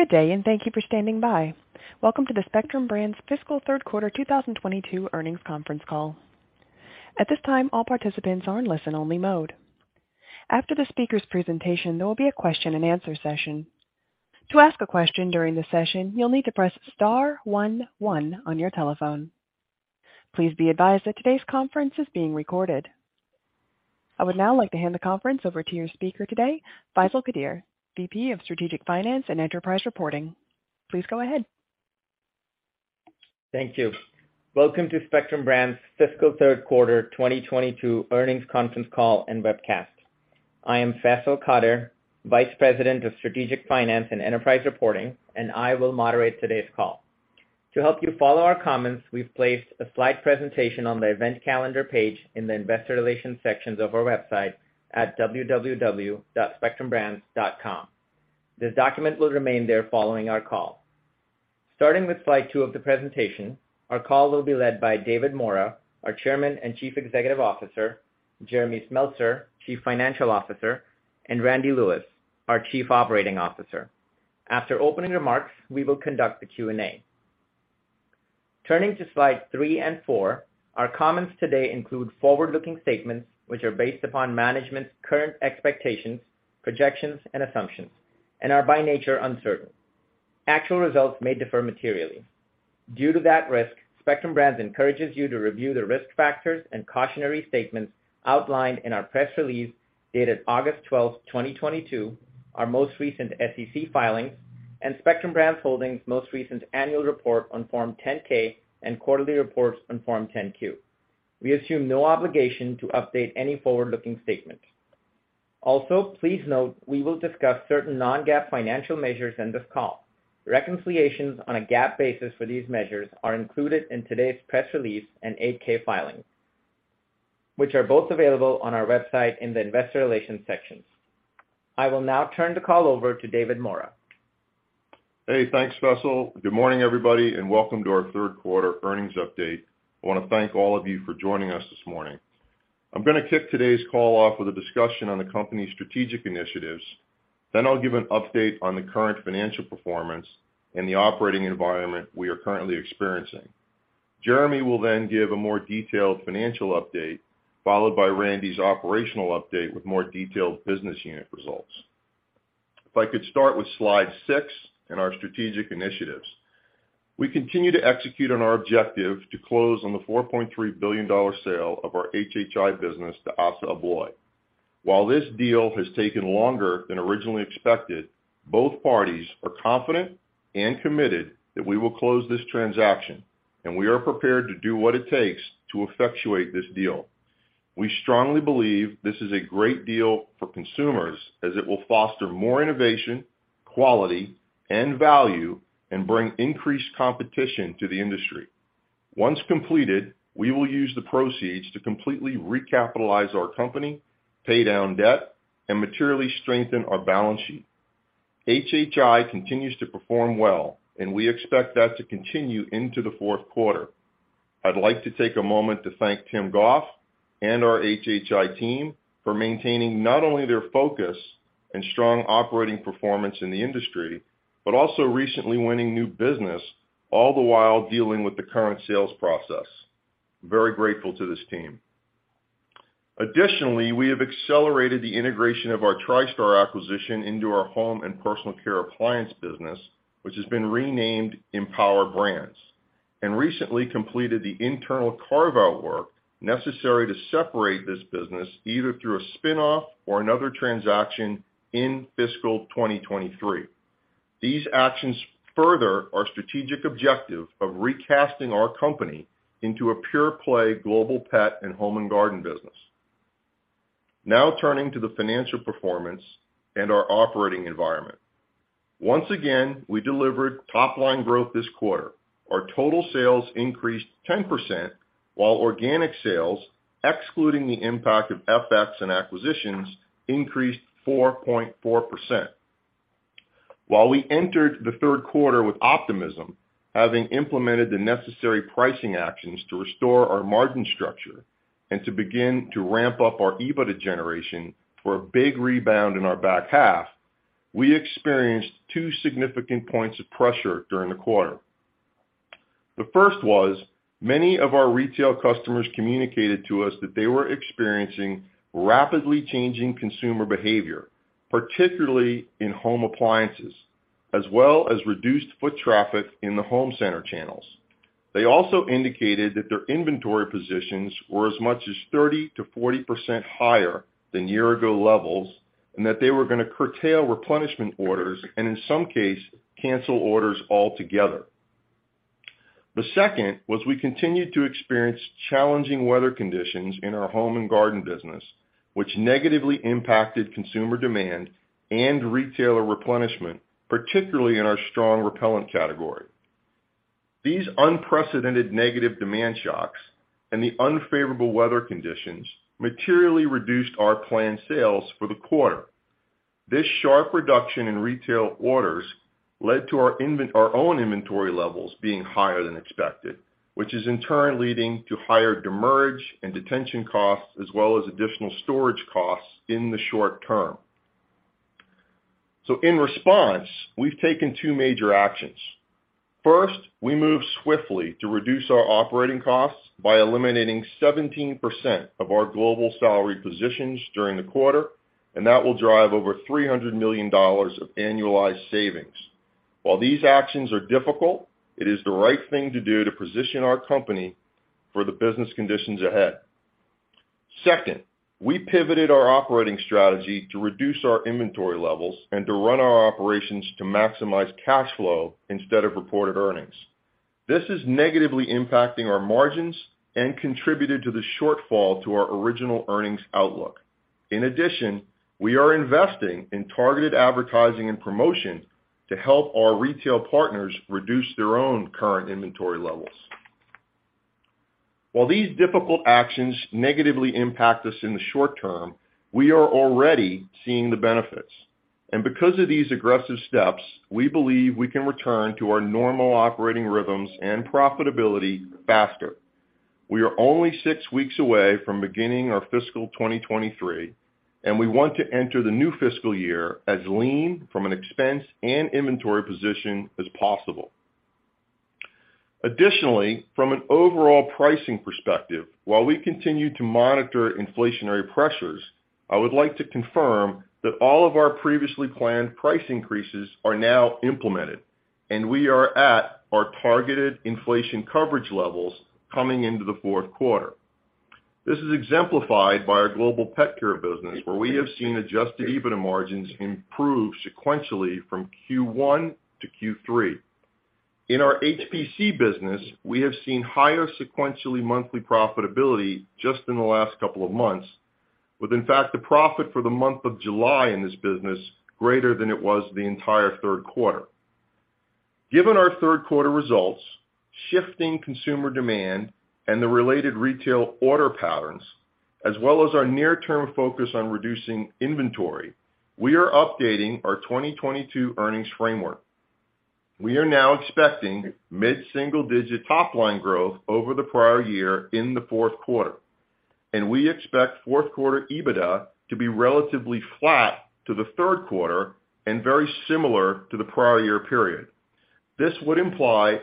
Good day, and thank you for standing by. Welcome to the Spectrum Brands Fiscal Third Quarter 2022 Earnings Conference Call. At this time, all participants are in listen-only mode. After the speaker's presentation, there will be a question-and-answer session. To ask a question during the session, you'll need to press star one one on your telephone. Please be advised that today's conference is being recorded. I would now like to hand the conference over to your speaker today, Faisal Qadir, VP of Strategic Finance and Enterprise Reporting. Please go ahead. Thank you. Welcome to Spectrum Brands' Fiscal Third Quarter 2022 Earnings Conference Call and Webcast. I am Faisal Qadir, Vice President of Strategic Finance and Enterprise Reporting, and I will moderate today's call. To help you follow our comments, we've placed a slide presentation on the event calendar page in the investor relations sections of our website at www.spectrumbrands.com. This document will remain there following our call. Starting with slide two of the presentation, our call will be led by David Maura, our Chairman and Chief Executive Officer, Jeremy Smeltser, Chief Financial Officer, and Randy Lewis, our Chief Operating Officer. After opening remarks, we will conduct the Q&A. Turning to slide three and four, our comments today include forward-looking statements which are based upon management's current expectations, projections, and assumptions, and are by nature uncertain. Actual results may differ materially. Due to that risk, Spectrum Brands encourages you to review the risk factors and cautionary statements outlined in our press release dated August 12, 2022, our most recent SEC filings, and Spectrum Brands Holdings' most recent annual report on Form 10-K and quarterly reports on Form 10-Q. We assume no obligation to update any forward-looking statements. Also, please note we will discuss certain non-GAAP financial measures in this call. Reconciliations on a GAAP basis for these measures are included in today's press release and Form 8-K filings, which are both available on our website in the investor relations sections. I will now turn the call over to David Maura. Hey, thanks, Faisal. Good morning, everybody, and welcome to our third quarter earnings update. I wanna thank all of you for joining us this morning. I'm gonna kick today's call off with a discussion on the company's strategic initiatives, then I'll give an update on the current financial performance and the operating environment we are currently experiencing. Jeremy will then give a more detailed financial update, followed by Randy's operational update with more detailed business unit results. If I could start with slide 6 and our strategic initiatives. We continue to execute on our objective to close on the $4.3 billion sale of our HHI business to ASSA ABLOY. While this deal has taken longer than originally expected, both parties are confident and committed that we will close this transaction, and we are prepared to do what it takes to effectuate this deal. We strongly believe this is a great deal for consumers as it will foster more innovation, quality, and value, and bring increased competition to the industry. Once completed, we will use the proceeds to completely recapitalize our company, pay down debt, and materially strengthen our balance sheet. HHI continues to perform well, and we expect that to continue into the fourth quarter. I'd like to take a moment to thank Tim Goff and our HHI team for maintaining not only their focus and strong operating performance in the industry, but also recently winning new business, all the while dealing with the current sales process. Very grateful to this team. Additionally, we have accelerated the integration of our Tristar acquisition into our Home and Personal Care appliance business, which has been renamed Empower Brands, and recently completed the internal carve-out work necessary to separate this business either through a spin-off or another transaction in fiscal 2023. These actions further our strategic objective of recasting our company into a pure-play Global Pet Care and Home and Garden business. Now, turning to the financial performance and our operating environment. Once again, we delivered top-line growth this quarter. Our total sales increased 10%, while organic sales, excluding the impact of FX and acquisitions, increased 4.4%. While we entered the third quarter with optimism, having implemented the necessary pricing actions to restore our margin structure and to begin to ramp up our EBITDA generation for a big rebound in our back half, we experienced two significant points of pressure during the quarter. The first was many of our retail customers communicated to us that they were experiencing rapidly changing consumer behavior, particularly in home appliances, as well as reduced foot traffic in the home center channels. They also indicated that their inventory positions were as much as 30%-40% higher than year-ago levels, and that they were gonna curtail replenishment orders, and in some cases, cancel orders altogether. The second was we continued to experience challenging weather conditions in our Home and Garden business, which negatively impacted consumer demand and retailer replenishment, particularly in our strong repellent category. These unprecedented negative demand shocks and the unfavorable weather conditions materially reduced our planned sales for the quarter. This sharp reduction in retail orders led to our own inventory levels being higher than expected, which is in turn leading to higher demurrage and detention costs, as well as additional storage costs in the short term. In response, we've taken two major actions. First, we moved swiftly to reduce our operating costs by eliminating 17% of our global salary positions during the quarter, and that will drive over $300 million of annualized savings. While these actions are difficult, it is the right thing to do to position our company for the business conditions ahead. Second, we pivoted our operating strategy to reduce our inventory levels and to run our operations to maximize cash flow instead of reported earnings. This is negatively impacting our margins and contributed to the shortfall to our original earnings outlook. In addition, we are investing in targeted advertising and promotion to help our retail partners reduce their own current inventory levels. While these difficult actions negatively impact us in the short term, we are already seeing the benefits. Because of these aggressive steps, we believe we can return to our normal operating rhythms and profitability faster. We are only six weeks away from beginning our fiscal 2023, and we want to enter the new fiscal year as lean from an expense and inventory position as possible. Additionally, from an overall pricing perspective, while we continue to monitor inflationary pressures, I would like to confirm that all of our previously planned price increases are now implemented, and we are at our targeted inflation coverage levels coming into the fourth quarter. This is exemplified by our Global Pet Care business, where we have seen adjusted EBITDA margins improve sequentially from Q1 to Q3. In our HPC business, we have seen higher sequentially monthly profitability just in the last couple of months, with, in fact, the profit for the month of July in this business greater than it was the entire third quarter. Given our third quarter results, shifting consumer demand and the related retail order patterns, as well as our near-term focus on reducing inventory, we are updating our 2022 earnings framework. We are now expecting mid-single-digit top line growth over the prior year in the fourth quarter, and we expect fourth quarter EBITDA to be relatively flat to the third quarter and very similar to the prior year period. This would imply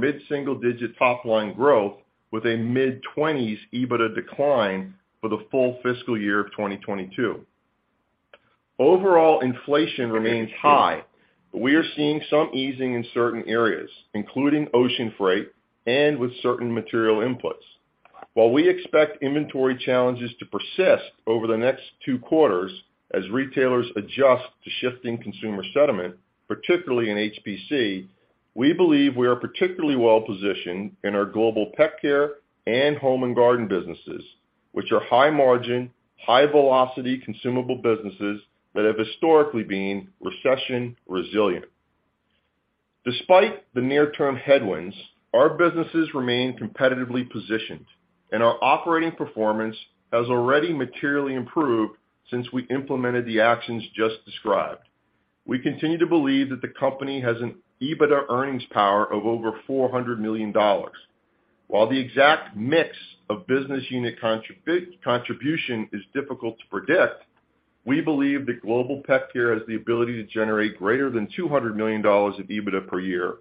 mid-single-digit top line growth with a mid-twenties EBITDA decline for the full fiscal year of 2022. Overall inflation remains high, but we are seeing some easing in certain areas, including ocean freight and with certain material inputs. While we expect inventory challenges to persist over the next two quarters as retailers adjust to shifting consumer sentiment, particularly in HPC, we believe we are particularly well positioned in our Global Pet Care and Home and Garden businesses, which are high margin, high velocity consumable businesses that have historically been recession resilient. Despite the near-term headwinds, our businesses remain competitively positioned, and our operating performance has already materially improved since we implemented the actions just described. We continue to believe that the company has an EBITDA earnings power of over $400 million. While the exact mix of business unit contribution is difficult to predict, we believe that Global Pet Care has the ability to generate greater than $200 million of EBITDA per year.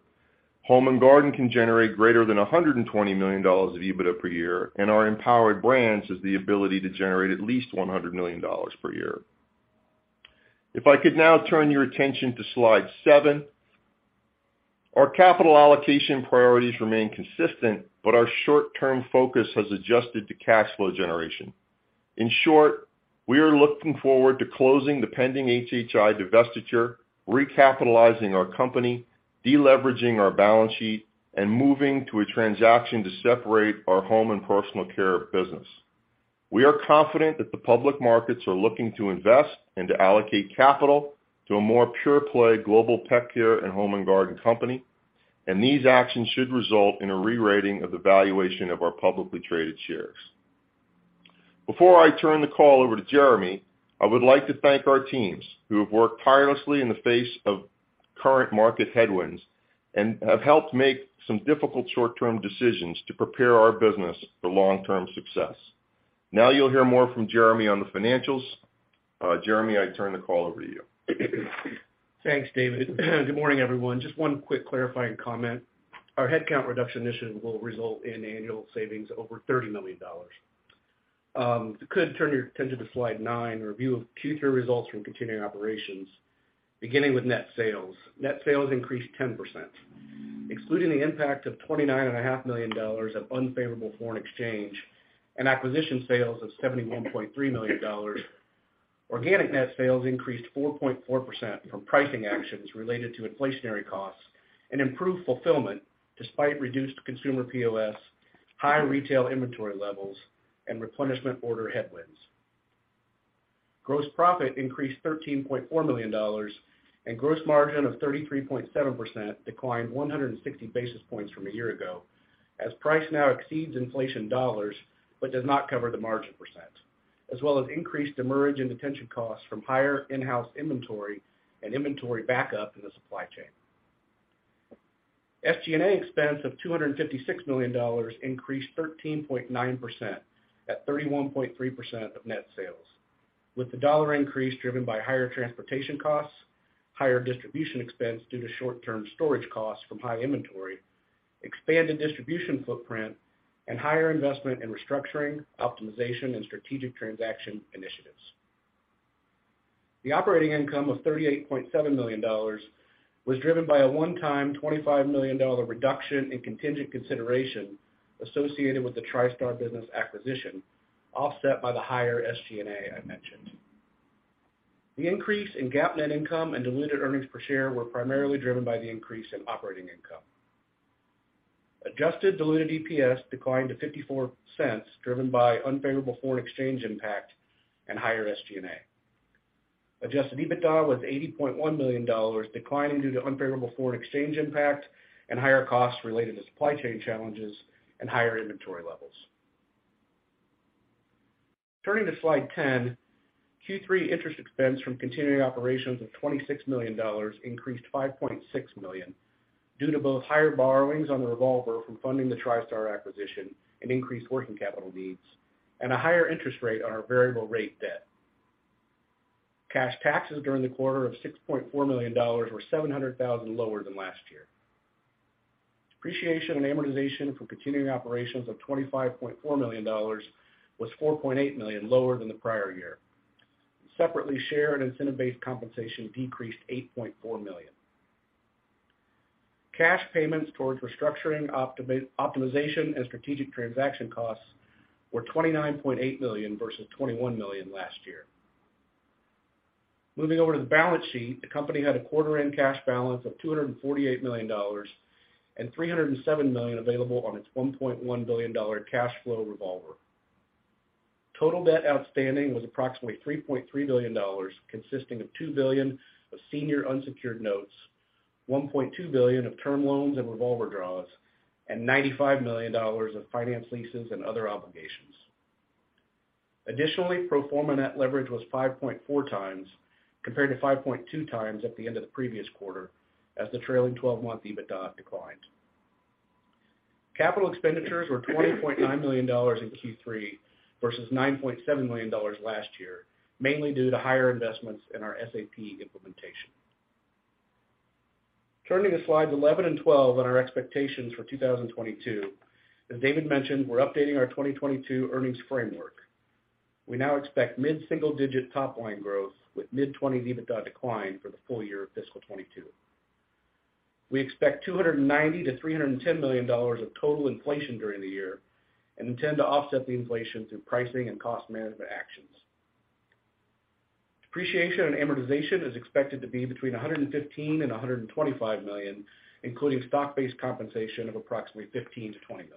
Home and Garden can generate greater than $120 million of EBITDA per year, and our Empower Brands has the ability to generate at least $100 million per year. If I could now turn your attention to slide seven. Our capital allocation priorities remain consistent, but our short-term focus has adjusted to cash flow generation. In short, we are looking forward to closing the pending HHI divestiture, recapitalizing our company, de-leveraging our balance sheet, and moving to a transaction to separate our Home and Personal Care business. We are confident that the public markets are looking to invest and to allocate capital to a more pure play global pet care and home and garden company, and these actions should result in a rerating of the valuation of our publicly traded shares. Before I turn the call over to Jeremy, I would like to thank our teams who have worked tirelessly in the face of current market headwinds and have helped make some difficult short-term decisions to prepare our business for long-term success. Now you'll hear more from Jeremy on the financials. Jeremy, I turn the call over to you. Thanks, David. Good morning, everyone. Just one quick clarifying comment. Our headcount reduction initiative will result in annual savings over $30 million. If you could turn your attention to slide 9, a review of Q3 results from continuing operations, beginning with net sales. Net sales increased 10%, excluding the impact of $29.5 million of unfavorable foreign exchange and acquisition sales of $71.3 million. Organic net sales increased 4.4% from pricing actions related to inflationary costs and improved fulfillment despite reduced consumer POS, higher retail inventory levels, and replenishment order headwinds. Gross profit increased $13.4 million, and gross margin of 33.7% declined 160 basis points from a year ago, as price now exceeds inflation dollars but does not cover the margin percent, as well as increased demurrage and detention costs from higher in-house inventory and inventory backup in the supply chain. SG&A expense of $256 million increased 13.9% at 31.3% of net sales, with the dollar increase driven by higher transportation costs, higher distribution expense due to short-term storage costs from high inventory, expanded distribution footprint, and higher investment in restructuring, optimization, and strategic transaction initiatives. The operating income of $38.7 million was driven by a one-time $25 million reduction in contingent consideration associated with the Tristar business acquisition, offset by the higher SG&A I mentioned. The increase in GAAP net income and diluted earnings per share were primarily driven by the increase in operating income. Adjusted diluted EPS declined to $0.54, driven by unfavorable foreign exchange impact and higher SG&A. Adjusted EBITDA was $80.1 million, declining due to unfavorable foreign exchange impact and higher costs related to supply chain challenges and higher inventory levels. Turning to slide 10, Q3 interest expense from continuing operations of $26 million increased $5.6 million due to both higher borrowings on the revolver from funding the TriStar acquisition and increased working capital needs, and a higher interest rate on our variable rate debt. Cash taxes during the quarter of $6.4 million were $700,000 lower than last year. Depreciation and amortization for continuing operations of $25.4 million was $4.8 million lower than the prior year. Separately, shared incentive-based compensation decreased $8.4 million. Cash payments towards restructuring, optimization, and strategic transaction costs were $29.8 million versus $21 million last year. Moving over to the balance sheet, the company had a quarter end cash balance of $248 million and $307 million available on its $1.1 billion cash flow revolver. Total debt outstanding was approximately $3.3 billion, consisting of $2 billion of senior unsecured notes, $1.2 billion of term loans and revolver draws, and $95 million of finance leases and other obligations. Additionally, pro forma net leverage was five point four times compared to five point two times at the end of the previous quarter as the trailing twelve-month EBITDA declined. Capital expenditures were $20.9 million in Q3 versus $9.7 million last year, mainly due to higher investments in our SAP implementation. Turning to slides 11 and 12 on our expectations for 2022, as David mentioned, we're updating our 2022 earnings framework. We now expect mid-single digit top line growth with mid-twenties EBITDA decline for the full year of fiscal 2022. We expect $290 million-$310 million of total inflation during the year and intend to offset the inflation through pricing and cost management actions. Depreciation and amortization is expected to be between $115 million and $125 million, including stock-based compensation of approximately $15-$20 million.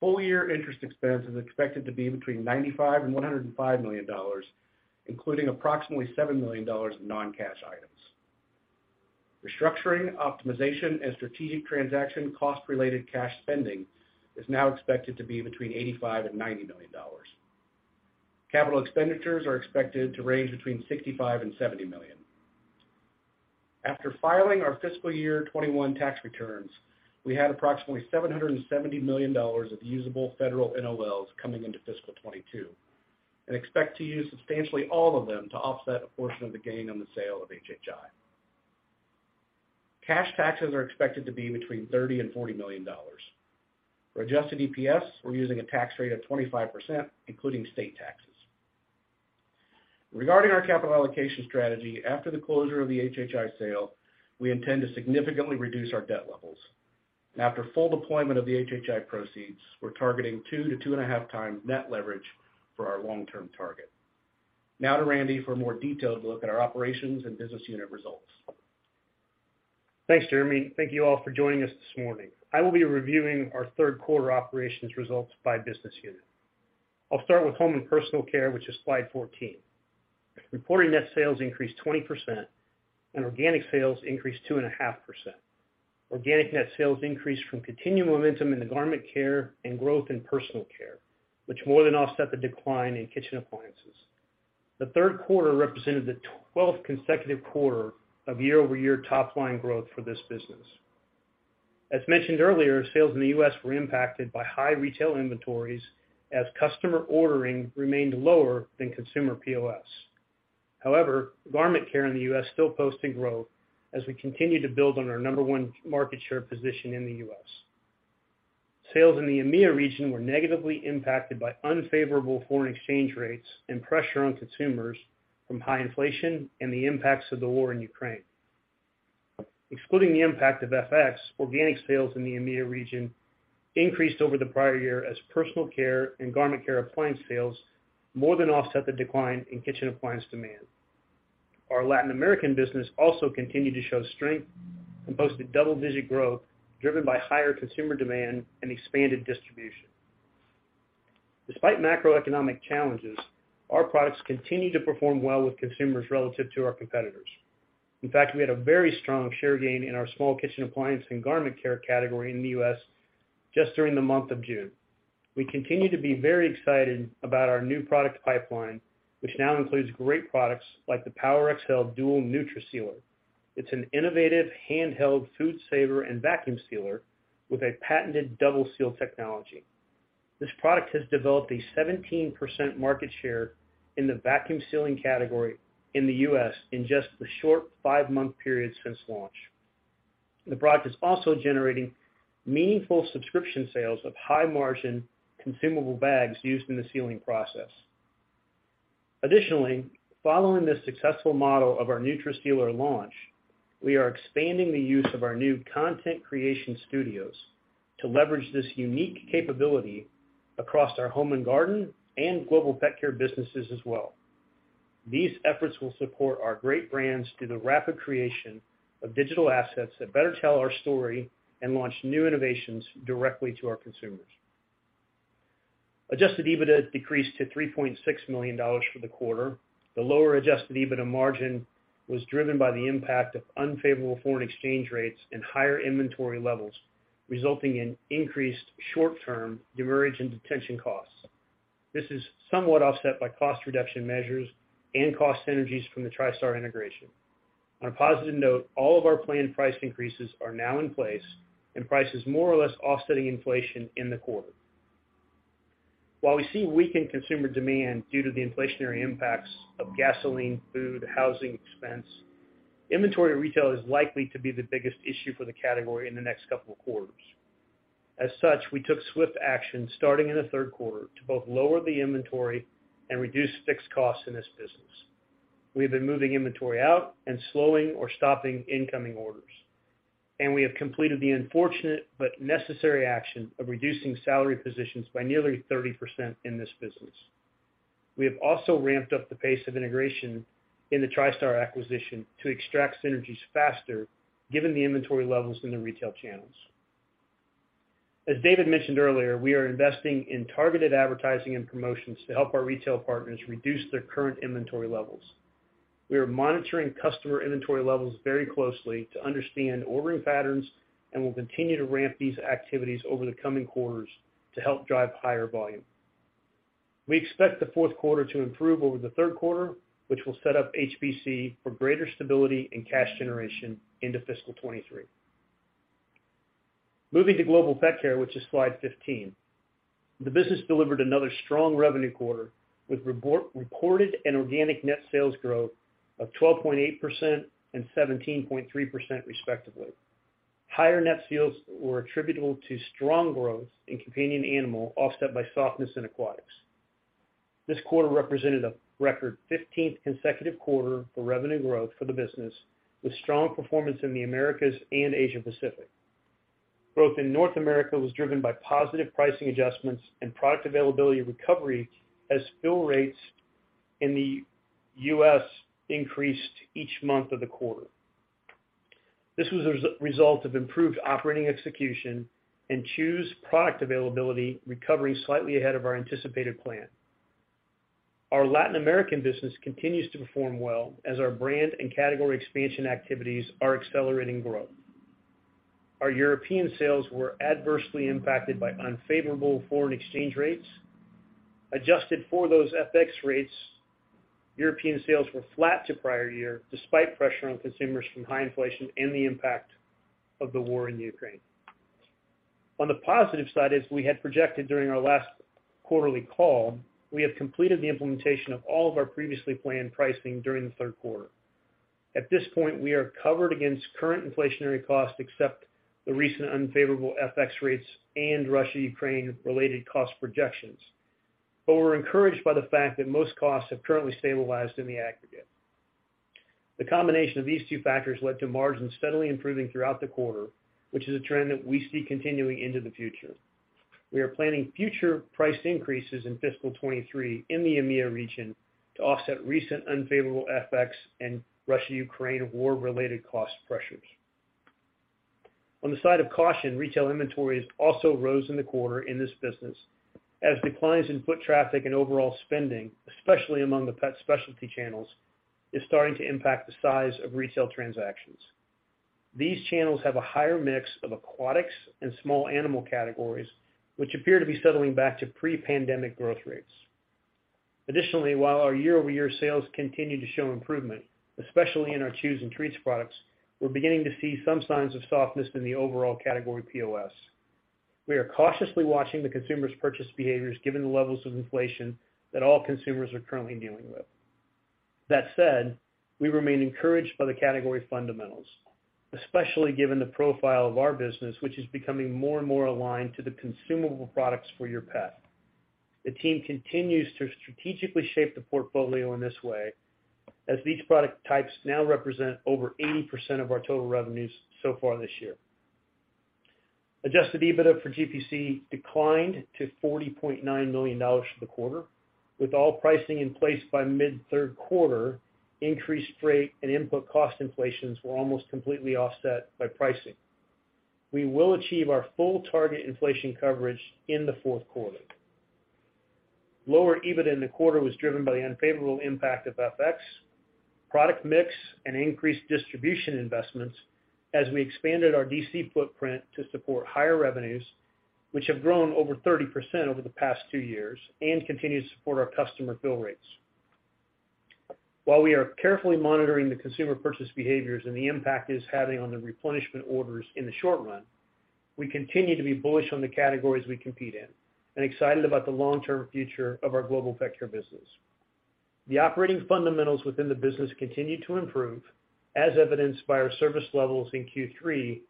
Full year interest expense is expected to be between $95 million and $105 million, including approximately $7 million in non-cash items. Restructuring, optimization, and strategic transaction cost-related cash spending is now expected to be between $85 million and $90 million. Capital expenditures are expected to range between $65 million and $70 million. After filing our fiscal year 2021 tax returns, we had approximately $770 million of usable federal NOLs coming into fiscal 2022 and expect to use substantially all of them to offset a portion of the gain on the sale of HHI. Cash taxes are expected to be between $30 million and $40 million. For adjusted EPS, we're using a tax rate of 25%, including state taxes. Regarding our capital allocation strategy, after the closure of the HHI sale, we intend to significantly reduce our debt levels. After full deployment of the HHI proceeds, we're targeting two to two point five times net leverage for our long-term target. Now to Randy for a more detailed look at our operations and business unit results. Thanks, Jeremy. Thank you all for joining us this morning. I will be reviewing our third quarter operations results by business unit. I'll start with Home and Personal Care, which is slide 14. Reported net sales increased 20%, and organic sales increased 2.5%. Organic net sales increased from continued momentum in the garment care and growth in personal care, which more than offset the decline in kitchen appliances. The third quarter represented the 12th consecutive quarter of year-over-year top line growth for this business. As mentioned earlier, sales in the U.S. were impacted by high retail inventories as customer ordering remained lower than consumer POS. However, garment care in the U.S. still posted growth as we continue to build on our number one market share position in the U.S. Sales in the EMEIA region were negatively impacted by unfavorable foreign exchange rates and pressure on consumers from high inflation and the impacts of the war in Ukraine. Excluding the impact of FX, organic sales in the EMEIA region increased over the prior year as personal care and garment care appliance sales more than offset the decline in kitchen appliance demand. Our Latin American business also continued to show strength and posted double-digit growth, driven by higher consumer demand and expanded distribution. Despite macroeconomic challenges, our products continue to perform well with consumers relative to our competitors. In fact, we had a very strong share gain in our small kitchen appliance and garment care category in the US just during the month of June. We continue to be very excited about our new product pipeline, which now includes great products like the PowerXL Duo NutriSealer. It's an innovative handheld food saver and vacuum sealer with a patented double seal technology. This product has developed a 17% market share in the vacuum sealing category in the U.S. in just the short five-month period since launch. The product is also generating meaningful subscription sales of high-margin consumable bags used in the sealing process. Additionally, following the successful model of our NutriSealer launch, we are expanding the use of our new content creation studios to leverage this unique capability across our Home and Garden and Global Pet Care businesses as well. These efforts will support our great brands through the rapid creation of digital assets that better tell our story and launch new innovations directly to our consumers. Adjusted EBITDA decreased to $3.6 million for the quarter. The lower adjusted EBITDA margin was driven by the impact of unfavorable foreign exchange rates and higher inventory levels, resulting in increased short-term demurrage and detention costs. This is somewhat offset by cost reduction measures and cost synergies from the Tristar integration. On a positive note, all of our planned price increases are now in place, and price is more or less offsetting inflation in the quarter. While we see weakened consumer demand due to the inflationary impacts of gasoline, food, housing expense, inventory retail is likely to be the biggest issue for the category in the next couple of quarters. As such, we took swift action starting in the third quarter to both lower the inventory and reduce fixed costs in this business. We have been moving inventory out and slowing or stopping incoming orders, and we have completed the unfortunate but necessary action of reducing salary positions by nearly 30% in this business. We have also ramped up the pace of integration in the Tristar acquisition to extract synergies faster, given the inventory levels in the retail channels. As David mentioned earlier, we are investing in targeted advertising and promotions to help our retail partners reduce their current inventory levels. We are monitoring customer inventory levels very closely to understand ordering patterns and will continue to ramp these activities over the coming quarters to help drive higher volume. We expect the fourth quarter to improve over the third quarter, which will set up HPC for greater stability and cash generation into fiscal 2023. Moving to Global Pet Care, which is slide 15. The business delivered another strong revenue quarter with reported and organic net sales growth of 12.8% and 17.3%, respectively. Higher net sales were attributable to strong growth in companion animal, offset by softness in aquatics. This quarter represented a record fifteenth consecutive quarter for revenue growth for the business, with strong performance in the Americas and Asia Pacific. Growth in North America was driven by positive pricing adjustments and product availability recovery as fill rates in the U.S. increased each month of the quarter. This was a result of improved operating execution and Chews product availability recovering slightly ahead of our anticipated plan. Our Latin American business continues to perform well as our brand and category expansion activities are accelerating growth. Our European sales were adversely impacted by unfavorable foreign exchange rates. Adjusted for those FX rates, European sales were flat to prior year, despite pressure on consumers from high inflation and the impact of the war in Ukraine. On the positive side, as we had projected during our last quarterly call, we have completed the implementation of all of our previously planned pricing during the third quarter. At this point, we are covered against current inflationary costs, except the recent unfavorable FX rates and Russia/Ukraine related cost projections. We're encouraged by the fact that most costs have currently stabilized in the aggregate. The combination of these two factors led to margins steadily improving throughout the quarter, which is a trend that we see continuing into the future. We are planning future price increases in fiscal 2023 in the EMEIA region to offset recent unfavorable FX and Russia/Ukraine war-related cost pressures. On the side of caution, retail inventories also rose in the quarter in this business as declines in foot traffic and overall spending, especially among the pet specialty channels, is starting to impact the size of retail transactions. These channels have a higher mix of aquatics and small animal categories, which appear to be settling back to pre-pandemic growth rates. Additionally, while our year-over-year sales continue to show improvement, especially in our Chews and Treats products, we're beginning to see some signs of softness in the overall category POS. We are cautiously watching the consumer's purchase behaviors given the levels of inflation that all consumers are currently dealing with. That said, we remain encouraged by the category fundamentals, especially given the profile of our business, which is becoming more and more aligned to the consumable products for your pet. The team continues to strategically shape the portfolio in this way, as these product types now represent over 80% of our total revenues so far this year. Adjusted EBITDA for GPC declined to $40.9 million for the quarter. With all pricing in place by mid third quarter, increased freight and input cost inflations were almost completely offset by pricing. We will achieve our full target inflation coverage in the fourth quarter. Lower EBITDA in the quarter was driven by the unfavorable impact of FX, product mix, and increased distribution investments as we expanded our DC footprint to support higher revenues, which have grown over 30% over the past two years and continue to support our customer fill rates. While we are carefully monitoring the consumer purchase behaviors and the impact it is having on the replenishment orders in the short run, we continue to be bullish on the categories we compete in and excited about the long-term future of our Global Pet Care business. The operating fundamentals within the business continue to improve, as evidenced by our service levels in Q3,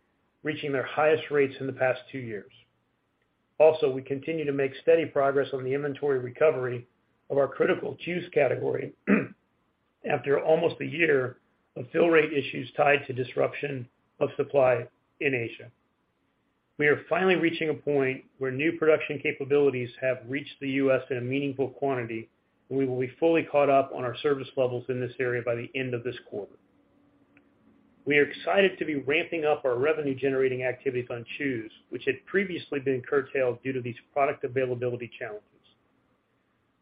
reaching their highest rates in the past two years. We continue to make steady progress on the inventory recovery of our critical Chews category after almost a year of fill rate issues tied to disruption of supply in Asia. We are finally reaching a point where new production capabilities have reached the U.S. in a meaningful quantity, and we will be fully caught up on our service levels in this area by the end of this quarter. We are excited to be ramping up our revenue-generating activities on Chews, which had previously been curtailed due to these product availability challenges.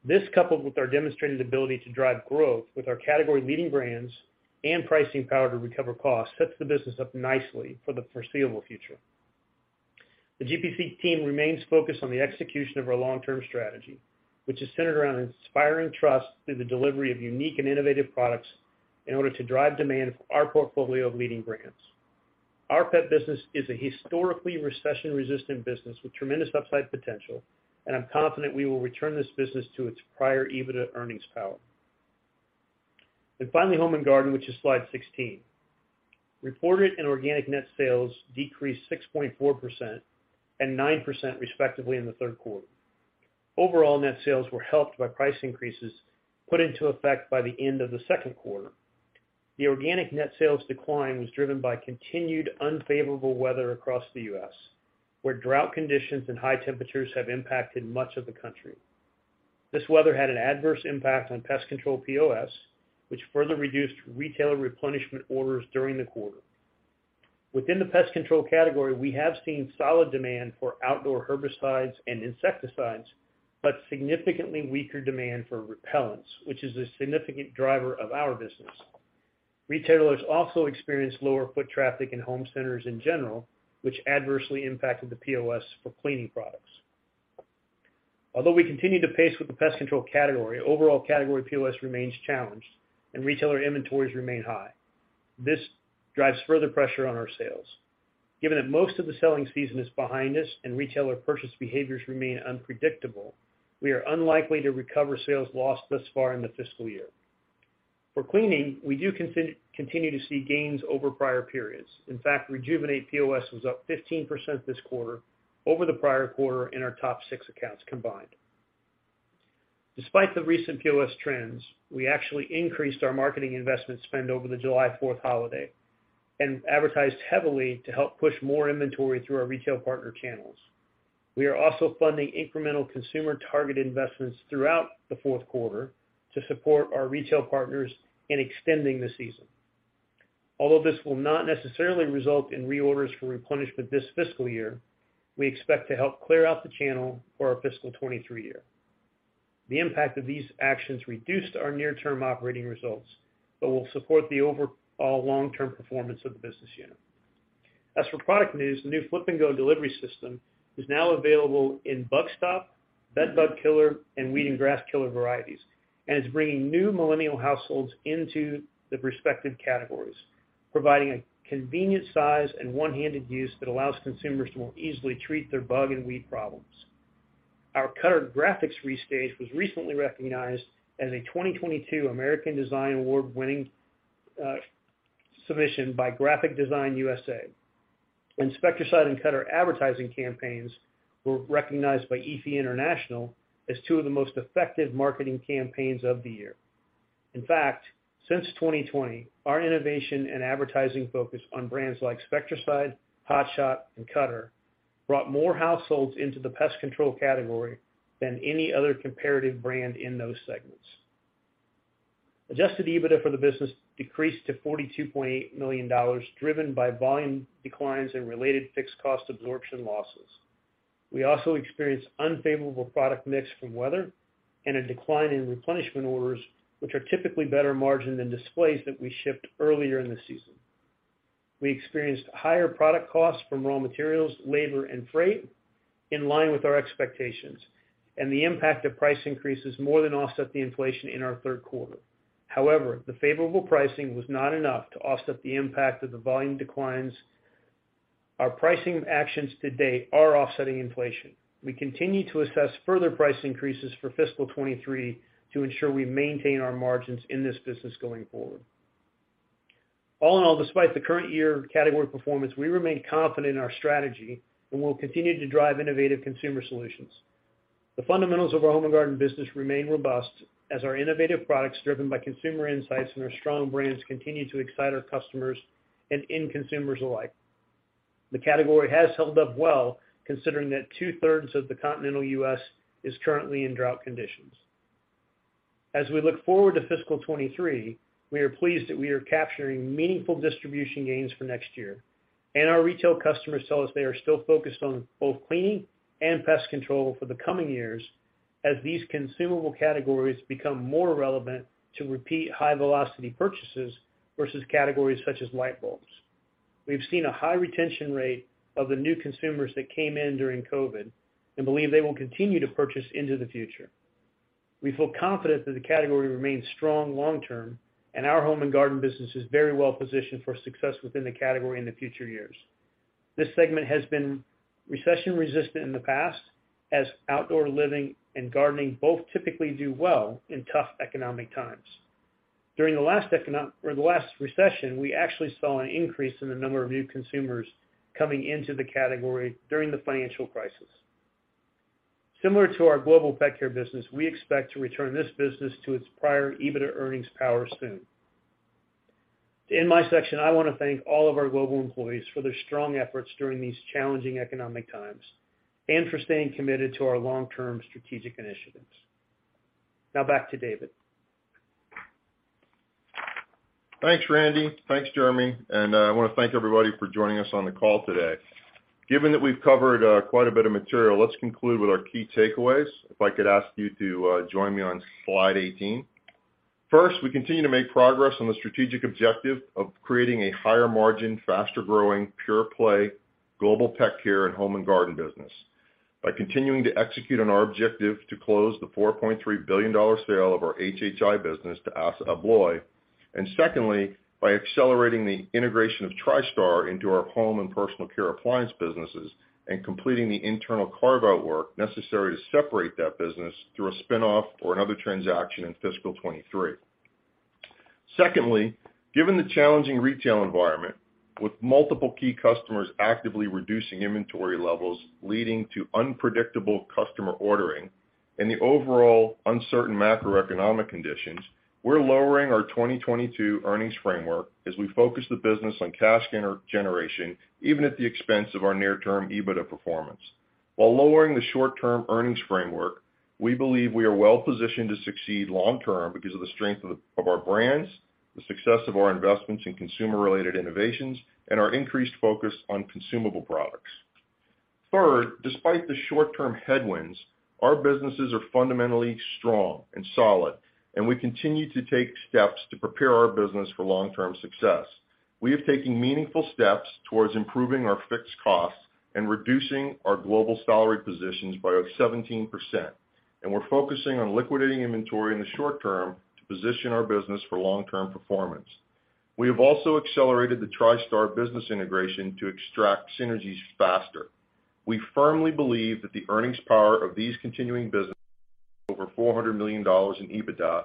This, coupled with our demonstrated ability to drive growth with our category-leading brands and pricing power to recover costs, sets the business up nicely for the foreseeable future. The GPC team remains focused on the execution of our long-term strategy, which is centered around inspiring trust through the delivery of unique and innovative products in order to drive demand for our portfolio of leading brands. Our pet business is a historically recession-resistant business with tremendous upside potential, and I'm confident we will return this business to its prior EBITDA earnings power. Finally, Home and Garden, which is slide 16. Reported and organic net sales decreased 6.4% and 9% respectively in the third quarter. Overall net sales were helped by price increases put into effect by the end of the second quarter. The organic net sales decline was driven by continued unfavorable weather across the U.S., where drought conditions and high temperatures have impacted much of the country. This weather had an adverse impact on pest control POS, which further reduced retailer replenishment orders during the quarter. Within the pest control category, we have seen solid demand for outdoor herbicides and insecticides, but significantly weaker demand for repellents, which is a significant driver of our business. Retailers also experienced lower foot traffic in home centers in general, which adversely impacted the POS for cleaning products. Although we continue to pace with the pest control category, overall category POS remains challenged and retailer inventories remain high. This drives further pressure on our sales. Given that most of the selling season is behind us and retailer purchase behaviors remain unpredictable, we are unlikely to recover sales lost thus far in the fiscal year. For cleaning, we do continue to see gains over prior periods. In fact, Rejuvenate POS was up 15% this quarter over the prior quarter in our top six accounts combined. Despite the recent POS trends, we actually increased our marketing investment spend over the July Fourth holiday and advertised heavily to help push more inventory through our retail partner channels. We are also funding incremental consumer-targeted investments throughout the fourth quarter to support our retail partners in extending the season. Although this will not necessarily result in reorders for replenishment this fiscal year, we expect to help clear out the channel for our fiscal 2023 year. The impact of these actions reduced our near-term operating results, but will support the overall long-term performance of the business unit. As for product news, the new Flip & Go delivery system is now available in Bug Stop, Bed Bug Killer, and Weed and Grass Killer varieties and is bringing new millennial households into the respective categories, providing a convenient size and one-handed use that allows consumers to more easily treat their bug and weed problems. Our Cutter graphics restage was recently recognized as a 2022 American Graphic Design Award-winning submission by Graphic Design USA. Spectracide and Cutter advertising campaigns were recognized by Effie International as two of the most effective marketing campaigns of the year. In fact, since 2020, our innovation and advertising focus on brands like Spectracide, Hot Shot, and Cutter brought more households into the pest control category than any other comparative brand in those segments. Adjusted EBITDA for the business decreased to $42.8 million, driven by volume declines and related fixed cost absorption losses. We also experienced unfavorable product mix from weather and a decline in replenishment orders, which are typically better margin than displays that we shipped earlier in the season. We experienced higher product costs from raw materials, labor, and freight in line with our expectations, and the impact of price increases more than offset the inflation in our third quarter. However, the favorable pricing was not enough to offset the impact of the volume declines. Our pricing actions to date are offsetting inflation. We continue to assess further price increases for fiscal 2023 to ensure we maintain our margins in this business going forward. All in all, despite the current year category performance, we remain confident in our strategy and will continue to drive innovative consumer solutions. The fundamentals of our Home and Garden business remain robust as our innovative products driven by consumer insights and our strong brands continue to excite our customers and end consumers alike. The category has held up well, considering that two-thirds of the continental U.S. is currently in drought conditions. As we look forward to fiscal 2023, we are pleased that we are capturing meaningful distribution gains for next year, and our retail customers tell us they are still focused on both cleaning and pest control for the coming years, as these consumable categories become more relevant to repeat high velocity purchases versus categories such as light bulbs. We've seen a high retention rate of the new consumers that came in during COVID and believe they will continue to purchase into the future. We feel confident that the category remains strong long term, and our home and garden business is very well positioned for success within the category in the future years. This segment has been recession-resistant in the past, as outdoor living and gardening both typically do well in tough economic times. During the last recession, we actually saw an increase in the number of new consumers coming into the category during the financial crisis. Similar to our global pet care business, we expect to return this business to its prior EBITDA earnings power soon. To end my section, I wanna thank all of our global employees for their strong efforts during these challenging economic times and for staying committed to our long-term strategic initiatives. Now back to David. Thanks, Randy. Thanks, Jeremy. I wanna thank everybody for joining us on the call today. Given that we've covered quite a bit of material, let's conclude with our key takeaways, if I could ask you to join me on slide 18. First, we continue to make progress on the strategic objective of creating a higher-margin, faster-growing, pure-play Global Pet Care and Home & Garden business by continuing to execute on our objective to close the $4.3 billion sale of our HHI business to ASSA ABLOY, and secondly, by accelerating the integration of Tristar into our Home & Personal Care appliance businesses and completing the internal carve-out work necessary to separate that business through a spin-off or another transaction in fiscal 2023. Secondly, given the challenging retail environment, with multiple key customers actively reducing inventory levels, leading to unpredictable customer ordering and the overall uncertain macroeconomic conditions, we're lowering our 2022 earnings framework as we focus the business on cash generation, even at the expense of our near-term EBITDA performance. While lowering the short-term earnings framework, we believe we are well-positioned to succeed long term because of the strength of our brands, the success of our investments in consumer-related innovations, and our increased focus on consumable products. Third, despite the short-term headwinds, our businesses are fundamentally strong and solid, and we continue to take steps to prepare our business for long-term success. We have taken meaningful steps towards improving our fixed costs and reducing our global salaried positions by 17%, and we're focusing on liquidating inventory in the short term to position our business for long-term performance. We have also accelerated the Tristar business integration to extract synergies faster. We firmly believe that the earnings power of these continuing businesses over $400 million in EBITDA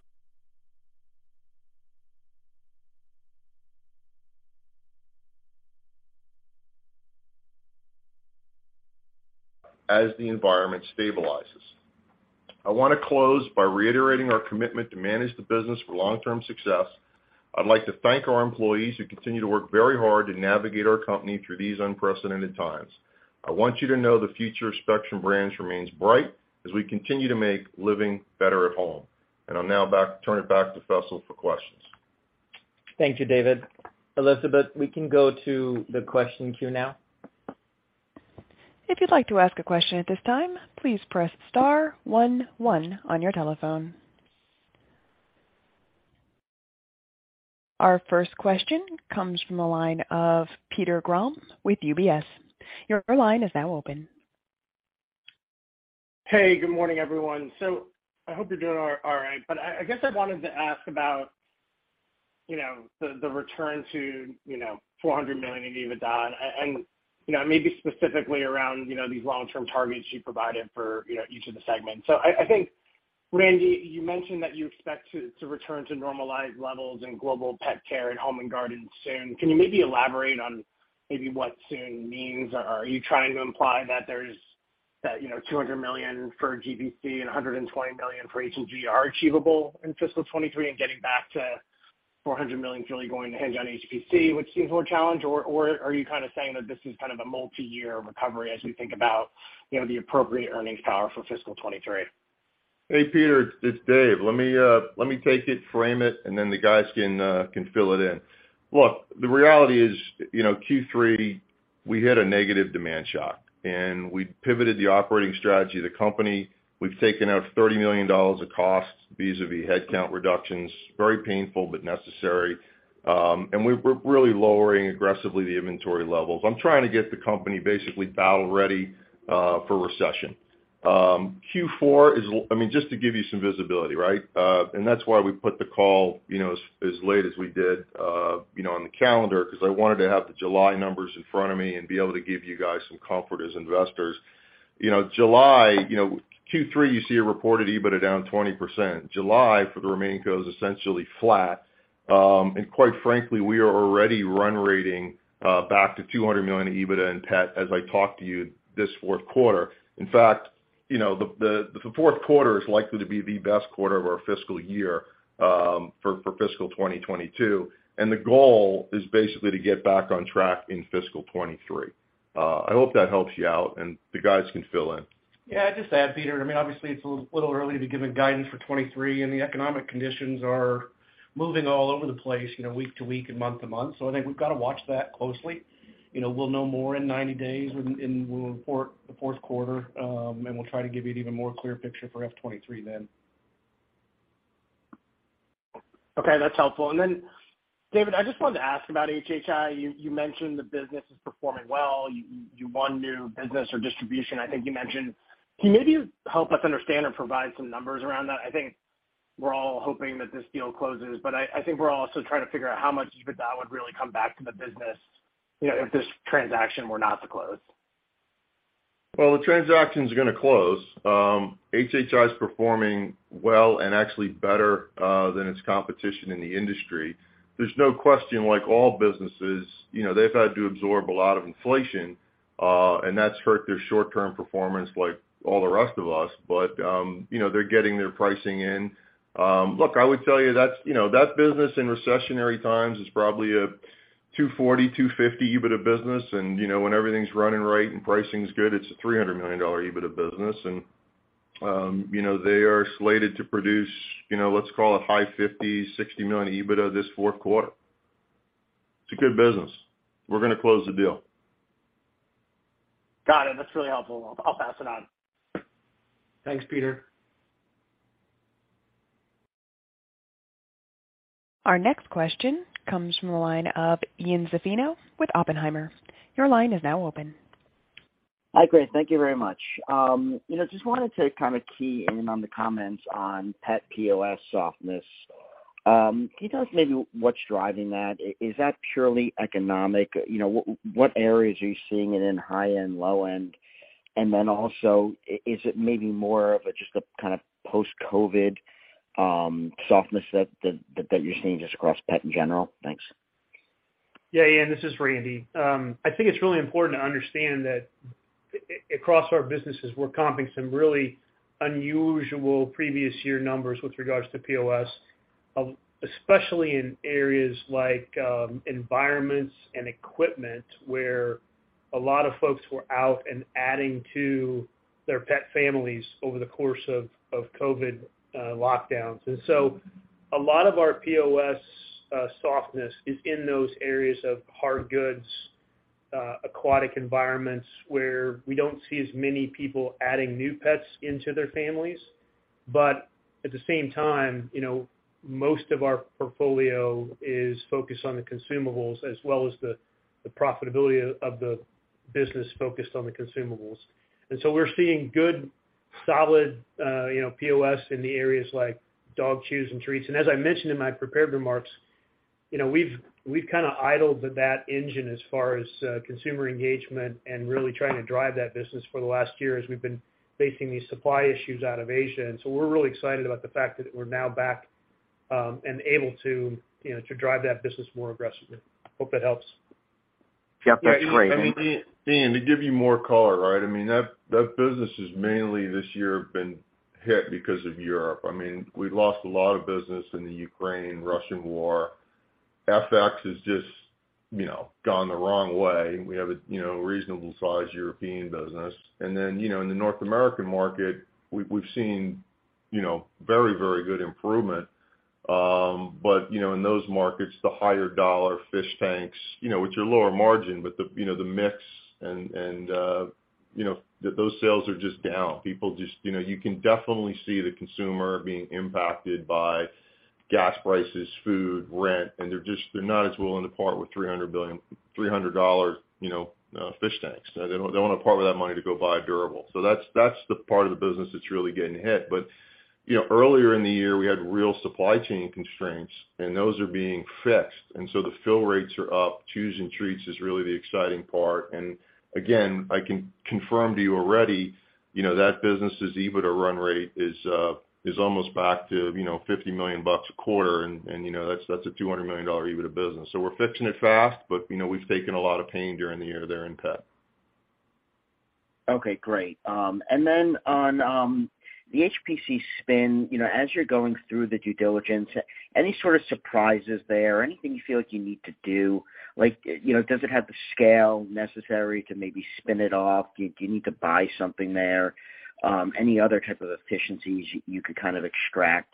as the environment stabilizes. I wanna close by reiterating our commitment to manage the business for long-term success. I'd like to thank our employees who continue to work very hard to navigate our company through these unprecedented times. I want you to know the future of Spectrum Brands remains bright as we continue to make living better at home. I'll now turn it back to Faisal for questions. Thank you, David. Elizabeth, we can go to the question queue now. If you'd like to ask a question at this time, please press star one one on your telephone. Our first question comes from the line of Peter Grom with UBS. Your line is now open. Hey, good morning, everyone. I hope you're doing all right, but I guess I wanted to ask about, you know, the return to, you know, $400 million in EBITDA. You know, maybe specifically around, you know, these long-term targets you provided for, you know, each of the segments. I think, Randy, you mentioned that you expect to return to normalized levels in Global Pet Care and Home and Garden soon. Can you elaborate on what soon means? Are you trying to imply that $200 million for GPC and $120 million for H&G achievable in fiscal 2023 and getting back to $400 million fully going to hinge on HPC, which seems more a challenge? Are you kind of saying that this is kind of a multiyear recovery as we think about, you know, the appropriate earnings power for fiscal 2023? Hey, Peter, it's David. Let me take it, frame it, and then the guys can fill it in. Look, the reality is, you know, Q3, we hit a negative demand shock, and we pivoted the operating strategy of the company. We've taken out $30 million of costs vis-a-vis headcount reductions. Very painful but necessary. And we're really lowering aggressively the inventory levels. I'm trying to get the company basically battle ready for recession. Q4. I mean, just to give you some visibility, right? And that's why we put the call, you know, as late as we did, you know, on the calendar, 'cause I wanted to have the July numbers in front of me and be able to give you guys some comfort as investors. You know, July, you know, Q3, you see a reported EBITDA down 20%. July for the RemainCo is essentially flat. Quite frankly, we are already run-rating back to $200 million EBITDA in Pet as I talk to you this fourth quarter. In fact, you know, the fourth quarter is likely to be the best quarter of our fiscal year for fiscal 2022. The goal is basically to get back on track in fiscal 2023. I hope that helps you out, and the guys can fill in. Yeah, just to add, Peter, I mean, obviously, it's a little early to be giving guidance for 2023, and the economic conditions are moving all over the place, you know, week to week and month to month. I think we've got to watch that closely. You know, we'll know more in 90 days when we report the fourth quarter, and we'll try to give you an even more clear picture for FY 2023 then. Okay, that's helpful. David, I just wanted to ask about HHI. You mentioned the business is performing well. You want new business or distribution, I think you mentioned. Can you maybe help us understand or provide some numbers around that? I think we're all hoping that this deal closes, but I think we're also trying to figure out how much of that would really come back to the business, you know, if this transaction were not to close. Well, the transaction's gonna close. HHI is performing well and actually better than its competition in the industry. There's no question, like all businesses, you know, they've had to absorb a lot of inflation, and that's hurt their short-term performance like all the rest of us. They're getting their pricing in. Look, I would tell you that's, you know, that business in recessionary times is probably a $240-$250 million EBITDA business. When everything's running right and pricing is good, it's a $300 million EBITDA business. They are slated to produce, you know, let's call it high 50-60 million EBITDA this fourth quarter. It's a good business. We're gonna close the deal. Got it. That's really helpful. I'll pass it on. Thanks, Peter. Our next question comes from the line of Ian Zaffino with Oppenheimer. Your line is now open. Hi, great. Thank you very much. You know, just wanted to kind of key in on the comments on pet POS softness. Can you tell us maybe what's driving that? Is that purely economic? You know, what areas are you seeing it in high-end, low-end? Also, is it maybe more of just a kind of post-COVID softness that you're seeing just across pet in general? Thanks. Yeah, Ian, this is Randy. I think it's really important to understand that across our businesses, we're comping some really unusual previous year numbers with regards to POS, especially in areas like environments and equipment, where a lot of folks were out and adding to their pet families over the course of COVID lockdowns. A lot of our POS softness is in those areas of hard goods, aquatic environments, where we don't see as many people adding new pets into their families. At the same time, you know, most of our portfolio is focused on the consumables as well as the profitability of the business focused on the consumables. We're seeing good, solid, you know, POS in the areas like dog chews and treats. As I mentioned in my prepared remarks, you know, we've kinda idled that engine as far as consumer engagement and really trying to drive that business for the last year as we've been facing these supply issues out of Asia. We're really excited about the fact that we're now back and able to, you know, to drive that business more aggressively. Hope that helps. Yep. That's great. Thank you. Ian, to give you more color, right? I mean, that business has mainly this year been hit because of Europe. I mean, we've lost a lot of business in the Ukraine-Russia war. FX has just, you know, gone the wrong way. We have a, you know, reasonable size European business. Then, you know, in the North American market, we've seen, you know, very, very good improvement. But, you know, in those markets, the higher dollar fish tanks, you know, which are lower margin, but the, you know, the mix and, you know, those sales are just down. People just, you know, you can definitely see the consumer being impacted by gas prices, food, rent, and they're just not as willing to part with $300, you know, fish tanks. They wanna part with that money to go buy a durable. That's the part of the business that's really getting hit. You know, earlier in the year, we had real supply chain constraints, and those are being fixed. The fill rates are up. Chews and Treats is really the exciting part. Again, I can confirm to you already, you know, that business's EBITDA run rate is almost back to, you know, $50 million a quarter and, you know, that's a $200 million EBITDA business. We're fixing it fast. You know, we've taken a lot of pain during the year there in pet. Okay, great. On the HPC spin, you know, as you're going through the due diligence, any sort of surprises there? Anything you feel like you need to do? Like, you know, does it have the scale necessary to maybe spin it off? Do you need to buy something there? Any other type of efficiencies you could kind of extract,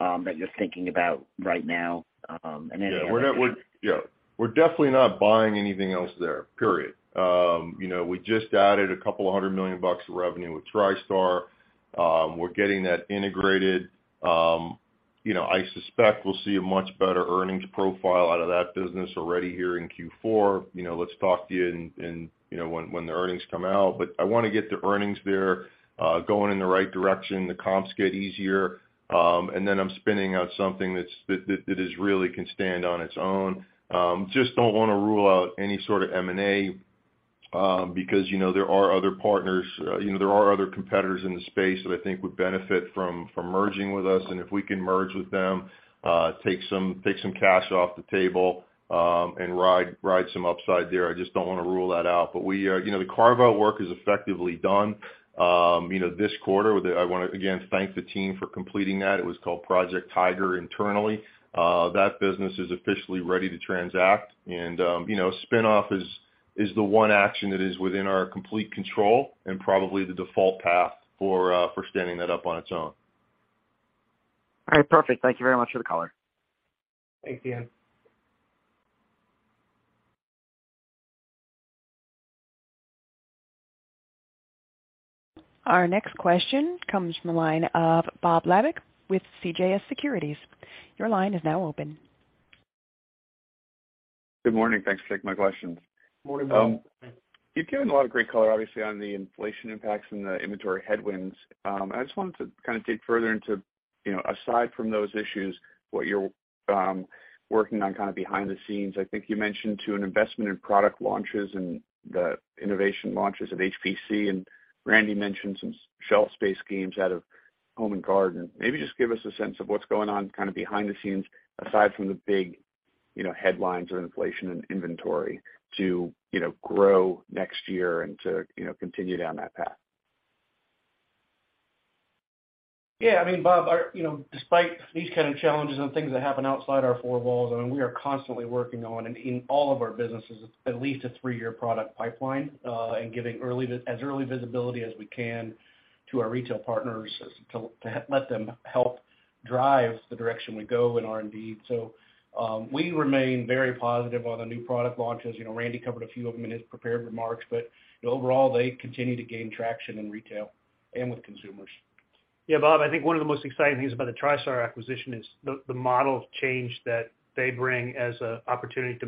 that you're thinking about right now? Yeah. We're definitely not buying anything else there, period. You know, we just added a couple of hundred million bucks of revenue with Tristar. We're getting that integrated. You know, I suspect we'll see a much better earnings profile out of that business already here in Q4. You know, let's talk to you in you know when the earnings come out. I wanna get the earnings there going in the right direction. The comps get easier, and then I'm spinning out something that's that is really can stand on its own. Just don't wanna rule out any sorta M&A, because you know there are other partners, you know there are other competitors in the space that I think would benefit from from merging with us. If we can merge with them, take some cash off the table, and ride some upside there. I just don't wanna rule that out. We are, you know, the carve-out work is effectively done. You know, this quarter, I wanna, again, thank the team for completing that. It was called Project Tiger internally. That business is officially ready to transact and, you know, spin-off is the one action that is within our complete control and probably the default path for standing that up on its own. All right, perfect. Thank you very much for the color. Thanks, Ian. Our next question comes from the line of Bob Labick with CJS Securities. Your line is now open. Good morning. Thanks for taking my questions. Morning, Bob. You've given a lot of great color, obviously, on the inflation impacts and the inventory headwinds. I just wanted to kind of dig further into, you know, aside from those issues, what you're working on kind of behind the scenes. I think you mentioned an investment in product launches and the innovation launches of HPC, and Randy mentioned some shelf space gains out of Home and Garden. Maybe just give us a sense of what's going on kind of behind the scenes, aside from the big, you know, headlines or inflation and inventory to, you know, grow next year and to, you know, continue down that path. Yeah, I mean, Bob, our, you know, despite these kind of challenges and things that happen outside our four walls, I mean, we are constantly working on and in all of our businesses, at least a three-year product pipeline, and giving early visibility as we can to our retail partners to let them help drive the direction we go in R&D. We remain very positive on the new product launches. You know, Randy covered a few of them in his prepared remarks, but overall, they continue to gain traction in retail and with consumers. Yeah, Bob, I think one of the most exciting things about the Tristar acquisition is the model change that they bring as an opportunity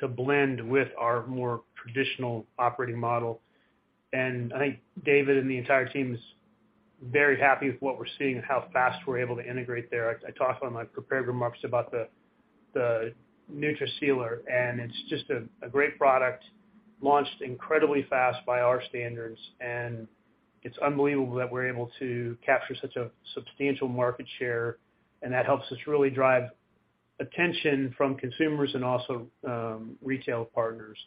to blend with our more traditional operating model. I think David and the entire team is very happy with what we're seeing and how fast we're able to integrate there. I talked on my prepared remarks about the NutriSealer, and it's just a great product launched incredibly fast by our standards, and it's unbelievable that we're able to capture such a substantial market share, and that helps us really drive attention from consumers and also retail partners.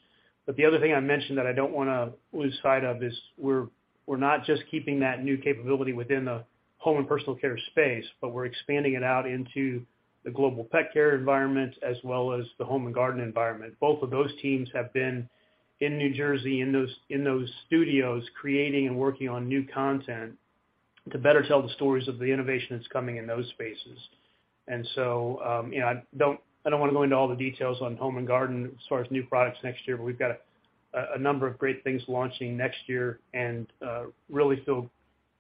The other thing I mentioned that I don't wanna lose sight of is we're not just keeping that new capability within the home and personal care space, but we're expanding it out into the global pet care environment as well as the home and garden environment. Both of those teams have been in New Jersey in those studios, creating and working on new content to better tell the stories of the innovation that's coming in those spaces. You know, I don't wanna go into all the details on home and garden as far as new products next year, but we've got a number of great things launching next year and really feel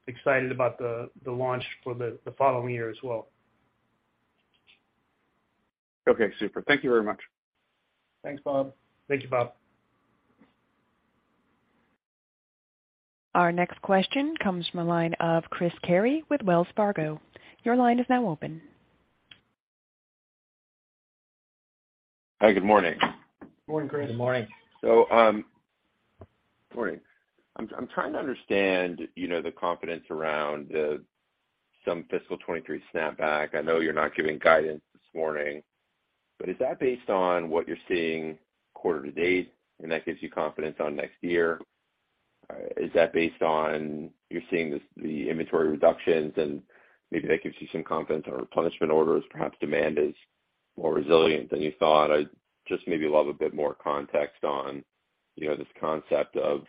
excited about the launch for the following year as well. Okay, super. Thank you very much. Thanks, Bob. Thank you, Bob. Our next question comes from a line of Chris Carey with Wells Fargo. Your line is now open. Hi, good morning. Morning, Chris. Good morning. Morning. I'm trying to understand, you know, the confidence around some fiscal 2023 snapback. I know you're not giving guidance this morning, but is that based on what you're seeing quarter to date, and that gives you confidence on next year? Is that based on what you're seeing this, the inventory reductions and maybe that gives you some confidence or replenishment orders, perhaps demand is more resilient than you thought? I'd just maybe love a bit more context on, you know, this concept of